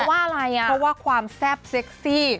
เพราะว่าอะไรอ่ะเพราะว่าความแซ่บเซ็กซี่